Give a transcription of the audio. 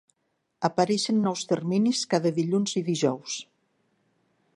Apareixen nous terminis cada dilluns i dijous.